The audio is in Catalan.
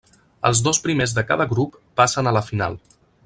Els dos primers de cada grup passen a la final.